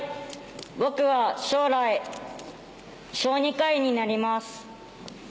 僕は将来小児科医になります。